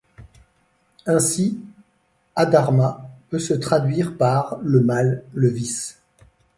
Ainsi adharma peut se traduire par: le mal, le vice.